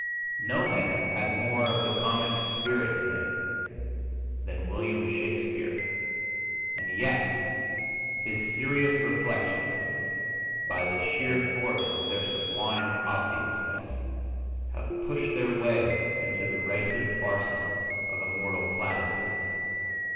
No man had more of the comic spirit in him than William Shakespeare, and yet his serious reflections, by the sheer force of their sublime obviousness, have pushed their way into the race's arsenal of immortal platitudes.